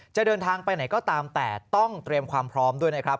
จะเดินทางไปไหนก็ตามแต่ต้องเตรียมความพร้อมด้วยนะครับ